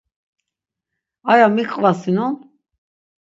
Aya mik qvasinon?